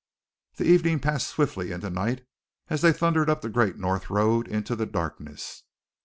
The evening passed swiftly into night as they thundered up the great north road into the darkness.